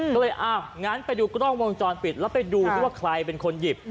ก็เลยอ้าวงั้นไปดูกล้องวงจรปิดแล้วไปดูซิว่าใครเป็นคนหยิบ